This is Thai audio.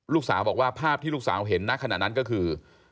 ลูกสาวบอกว่าภาพที่ลูกสาวเห็นณขณะนั้นก็คือ